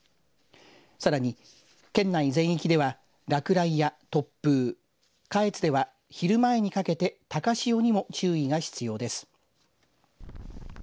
さらに県内全域では落雷や突風下越では昼前にかけて高潮にも注意が必要です。